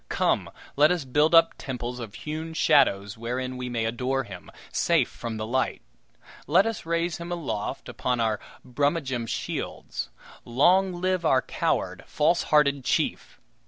Come, let us build up temples of hewn shadows wherein we may adore him, safe from the light. Let us raise him aloft upon our Brummagem shields. Long live our coward, falsehearted chief!